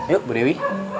yuk bu dewi